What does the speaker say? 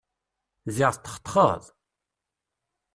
Ziɣ tetxetxeḍ!